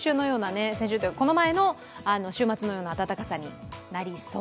この前の週末のような暖かさになりそう。